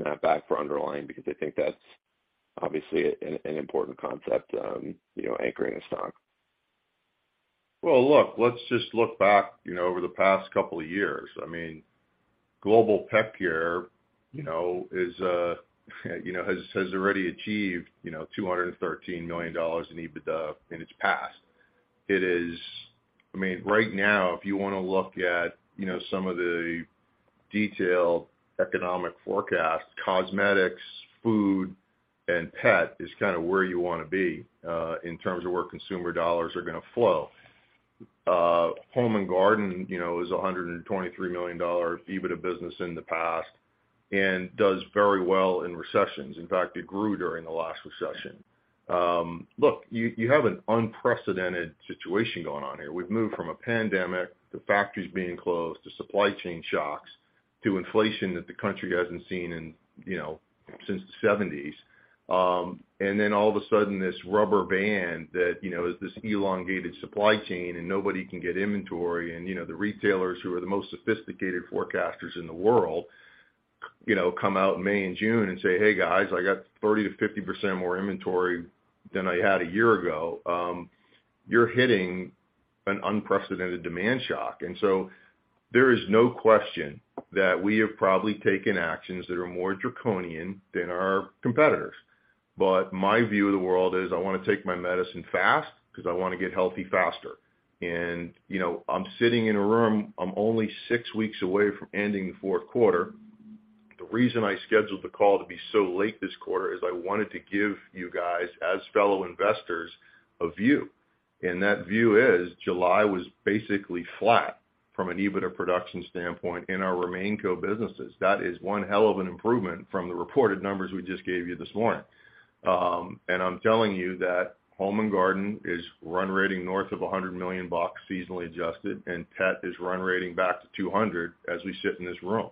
snapback for underlying, because I think that's obviously an important concept, you know, anchoring the stock. Well, look, let's just look back, you know, over the past couple of years. I mean, Global Pet Care, you know, is, you know, has already achieved, you know, $213 million in EBITDA in its past. I mean, right now, if you wanna look at, you know, some of the detailed economic forecasts, cosmetics, food, and pet is kind of where you wanna be, in terms of where consumer dollars are gonna flow. Home & Garden, you know, is a $123 million EBITDA business in the past and does very well in recessions. In fact, it grew during the last recession. Look, you have an unprecedented situation going on here. We've moved from a pandemic to factories being closed, to supply chain shocks, to inflation that the country hasn't seen in, you know, since the 1970s. Then all of a sudden, this rubber band that, you know, is this elongated supply chain and nobody can get inventory. The retailers who are the most sophisticated forecasters in the world, you know, come out in May and June and say, "Hey, guys, I got 30%-50% more inventory than I had a year ago." You're hitting an unprecedented demand shock. There is no question that we have probably taken actions that are more draconian than our competitors. My view of the world is I wanna take my medicine fast 'cause I wanna get healthy faster. You know, I'm sitting in a room. I'm only six weeks away from ending the fourth quarter. The reason I scheduled the call to be so late this quarter is I wanted to give you guys, as fellow investors, a view. That view is July was basically flat from an EBITDA production standpoint in our RemainCo businesses. That is one hell of an improvement from the reported numbers we just gave you this morning. I'm telling you that home and garden is run rating north of $100 million bucks, seasonally adjusted, and pet is run rating back to $200 as we sit in this room.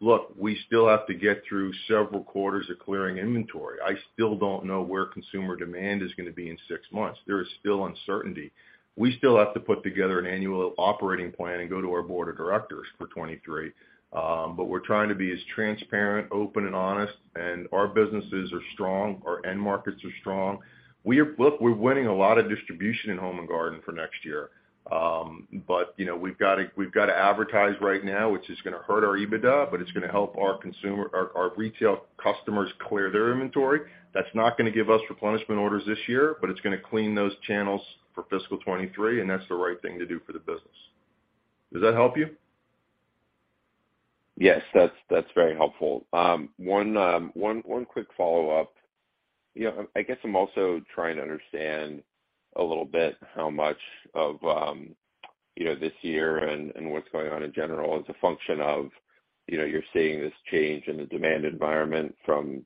Look, we still have to get through several quarters of clearing inventory. I still don't know where consumer demand is gonna be in six months. There is still uncertainty. We still have to put together an annual operating plan and go to our board of directors for 2023. We're trying to be as transparent, open, and honest, and our businesses are strong, our end markets are strong. Look, we're winning a lot of distribution in Home and Garden for next year. You know, we've gotta advertise right now, which is gonna hurt our EBITDA, but it's gonna help our retail customers clear their inventory. That's not gonna give us replenishment orders this year, but it's gonna clean those channels for fiscal 2023, and that's the right thing to do for the business. Does that help you? Yes. That's very helpful. One quick follow-up. You know, I guess I'm also trying to understand a little bit how much of you know, this year and what's going on in general is a function of you know, you're seeing this change in the demand environment from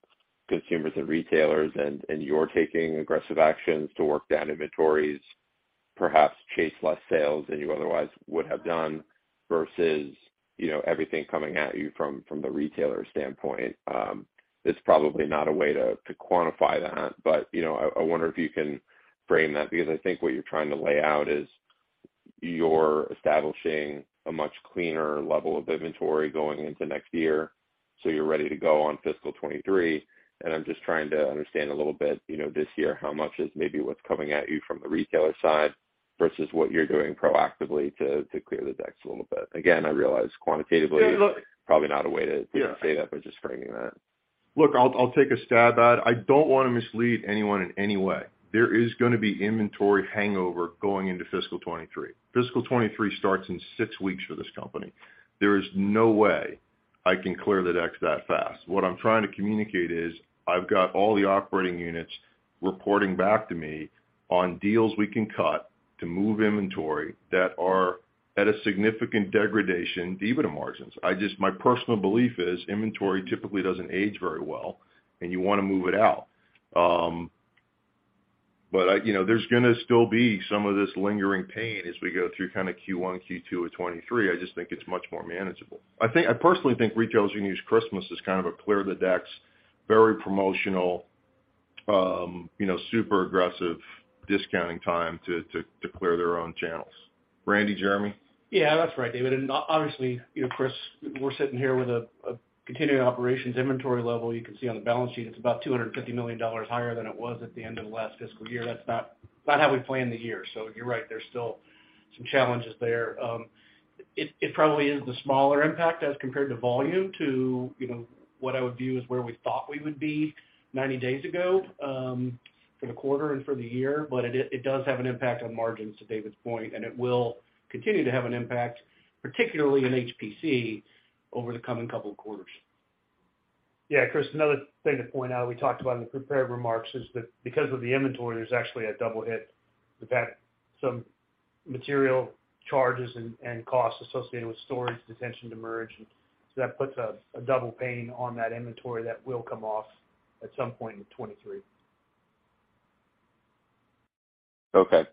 consumers and retailers and you're taking aggressive actions to work down inventories, perhaps chase less sales than you otherwise would have done versus you know, everything coming at you from the retailer standpoint. It's probably not a way to quantify that. But you know, I wonder if you can frame that because I think what you're trying to lay out is you're establishing a much cleaner level of inventory going into next year, so you're ready to go on fiscal 2023. I'm just trying to understand a little bit, you know, this year, how much is maybe what's coming at you from the retailer side versus what you're doing proactively to clear the decks a little bit. Again, I realize quantitatively. Yeah, look. Probably not a way to say that, but just framing that. Look, I'll take a stab at it. I don't wanna mislead anyone in any way. There is gonna be inventory hangover going into fiscal 2023. Fiscal 2023 starts in six weeks for this company. There is no way I can clear the decks that fast. What I'm trying to communicate is I've got all the operating units reporting back to me on deals we can cut to move inventory that are at a significant degradation to EBITDA margins. I just, my personal belief is inventory typically doesn't age very well, and you wanna move it out. You know, there's gonna still be some of this lingering pain as we go through kinda Q1 and Q2 of 2023. I just think it's much more manageable. I personally think retailers are gonna use Christmas as kind of a clear the decks, very promotional, you know, super aggressive discounting time to clear their own channels. Randy, Jeremy? Yeah. That's right, David. Obviously, you know, Chris, we're sitting here with a continuing operations inventory level. You can see on the balance sheet, it's about $250 million higher than it was at the end of the last fiscal year. That's not how we planned the year. You're right, there's still some challenges there. It probably is the smaller impact as compared to volume, too, you know, what I would view as where we thought we would be 90 days ago, for the quarter and for the year, but it does have an impact on margins to David's point, and it will continue to have an impact, particularly in HPC over the coming couple of quarters. Yeah. Chris, another thing to point out, we talked about in the prepared remarks, is that because of the inventory, there's actually a double hit. We've had some material charges and costs associated with storage, demurrage. That puts a double pain on that inventory that will come off at some point in 2023. Okay.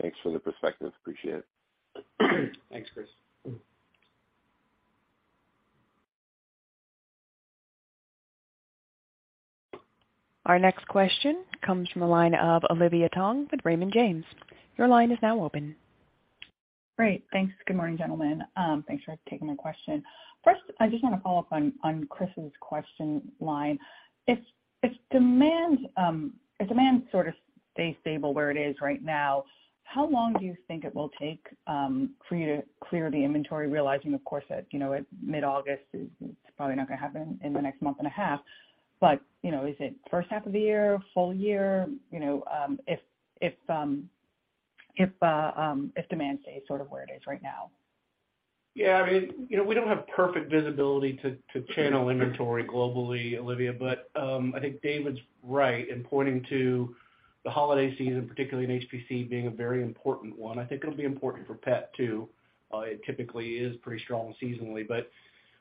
Thanks for the perspective. Appreciate it. Thanks, Chris. Our next question comes from the line of Olivia Tong with Raymond James. Your line is now open. Great. Thanks. Good morning, gentlemen. Thanks for taking my question. First, I just wanna follow up on Chris's question line. If demand sort of stays stable where it is right now, how long do you think it will take for you to clear the inventory, realizing, of course, that, you know, at mid-August, it's probably not gonna happen in the next month and a half. You know, is it first half of the year, full year? You know, if demand stays sort of where it is right now. Yeah. I mean, you know, we don't have perfect visibility to channel inventory globally, Olivia. I think David's right in pointing to the holiday season, particularly in HPC being a very important one. I think it'll be important for pet too. It typically is pretty strong seasonally.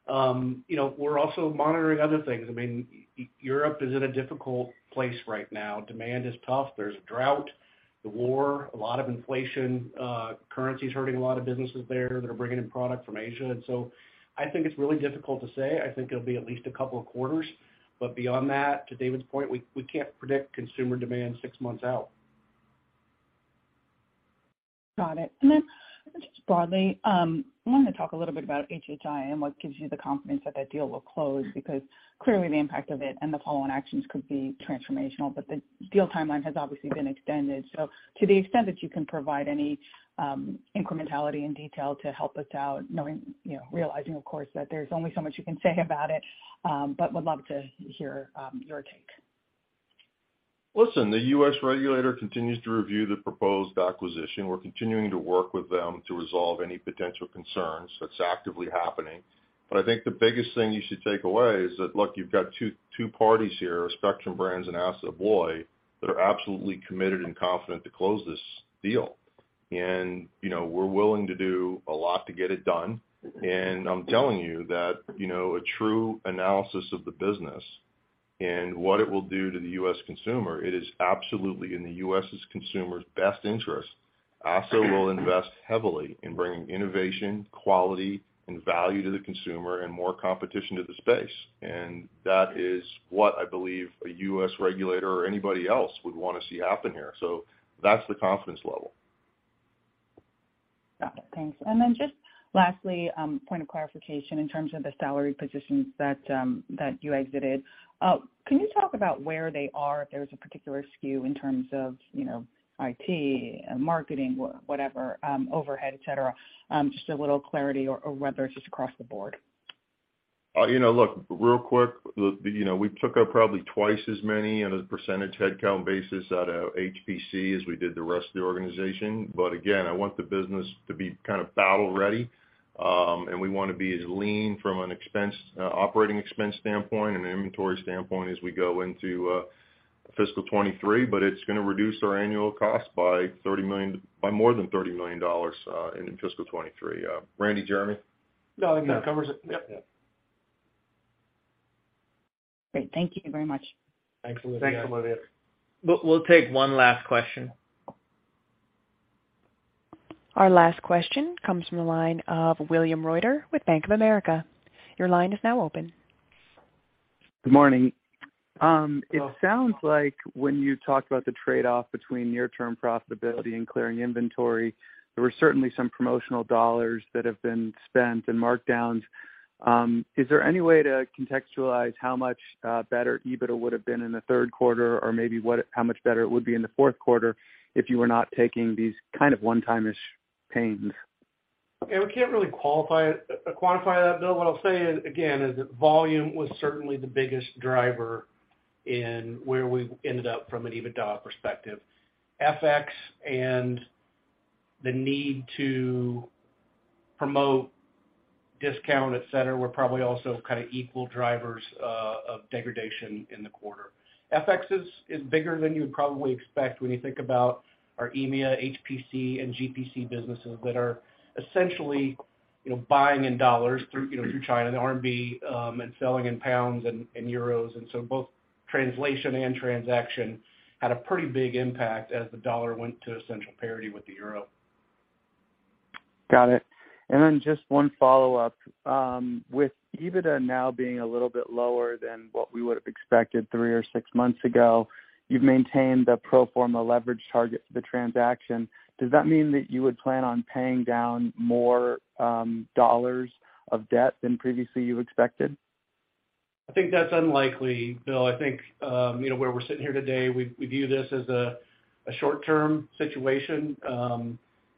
You know, we're also monitoring other things. I mean, Europe is in a difficult place right now. Demand is tough. There's a drought, the war, a lot of inflation, currency is hurting a lot of businesses there that are bringing in product from Asia. I think it's really difficult to say. I think it'll be at least a couple of quarters. Beyond that, to David's point, we can't predict consumer demand six months out. Got it. Just broadly, I wanted to talk a little bit about HHI and what gives you the confidence that that deal will close, because clearly the impact of it and the follow-on actions could be transformational. The deal timeline has obviously been extended. To the extent that you can provide any incrementality and detail to help us out, knowing, you know, realizing, of course, that there's only so much you can say about it, but would love to hear your take. Listen, the U.S. regulator continues to review the proposed acquisition. We're continuing to work with them to resolve any potential concerns. That's actively happening. I think the biggest thing you should take away is that, look, you've got two parties here, Spectrum Brands and ASSA ABLOY, that are absolutely committed and confident to close this deal. You know, we're willing to do a lot to get it done. I'm telling you that, you know, a true analysis of the business and what it will do to the U.S. consumer, it is absolutely in the U.S. consumer's best interest. ASSA ABLOY will invest heavily in bringing innovation, quality, and value to the consumer and more competition to the space. That is what I believe a U.S. regulator or anybody else would wanna see happen here. That's the confidence level. Got it. Thanks. Just lastly, point of clarification in terms of the salary positions that you exited. Can you talk about where they are if there's a particular skew in terms of, you know, IT, marketing, whatever, overhead, et cetera? Just a little clarity, or whether it's just across the board. You know, look, real quick, you know, we took out probably twice as many on a percentage headcount basis out of HPC as we did the rest of the organization. Again, I want the business to be kind of battle-ready. We wanna be as lean from an operating expense standpoint and an inventory standpoint as we go into fiscal 2023, but it's gonna reduce our annual cost by $30 million, by more than $30 million in fiscal 2023. Randy, Jeremy? No, I think that covers it. Yep. Yeah. Great. Thank you very much. Thanks, Olivia. Thanks, Olivia. We'll take one last question. Our last question comes from the line of William Reuter with Bank of America. Your line is now open. Good morning. It sounds like when you talked about the trade-off between near-term profitability and clearing inventory, there were certainly some promotional dollars that have been spent and markdowns. Is there any way to contextualize how much better EBITDA would've been in the third quarter or maybe how much better it would be in the fourth quarter if you were not taking these kind of one-time-ish pains? Yeah, we can't really quantify that, Bill. What I'll say is, again, is that volume was certainly the biggest driver in where we ended up from an EBITDA perspective. FX and the need to promote discount, et cetera, were probably also kind of equal drivers of degradation in the quarter. FX is bigger than you would probably expect when you think about our EMEA, HPC, and GPC businesses that are essentially, you know, buying in dollars through China and RMB, and selling in pounds and euros. Both translation and transaction had a pretty big impact as the dollar went to essentially parity with the euro. Got it. Just one follow-up. With EBITDA now being a little bit lower than what we would've expected three or six months ago, you've maintained the pro forma leverage target for the transaction. Does that mean that you would plan on paying down more dollars of debt than previously you expected? I think that's unlikely, Bill. I think, you know, where we're sitting here today, we view this as a short-term situation.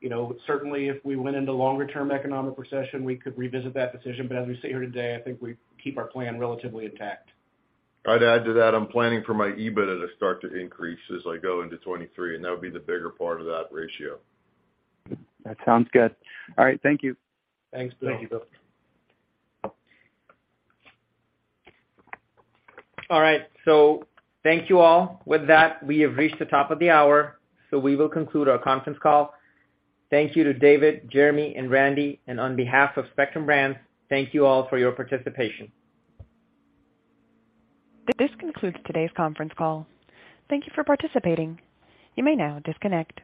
You know, certainly if we went into longer term economic recession, we could revisit that decision. As we sit here today, I think we keep our plan relatively intact. I'd add to that, I'm planning for my EBITDA to start to increase as I go into 2023, and that would be the bigger part of that ratio. That sounds good. All right, thank you. Thanks, Bill. Thanks, Bill. All right. Thank you all. With that, we have reached the top of the hour, so we will conclude our conference call. Thank you to David, Jeremy, and Randy. On behalf of Spectrum Brands, thank you all for your participation. This concludes today's conference call. Thank you for participating. You may now disconnect.